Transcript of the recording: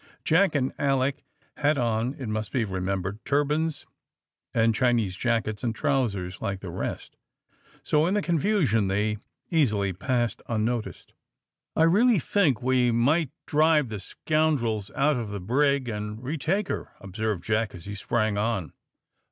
Jack and Alick had on, it must be remembered, turbans and Chinese jackets and trousers like the rest, so in the confusion they easily passed unnoticed. "I really think that we might drive the scoundrels out of the brig and retake her," observed Jack as he sprang on.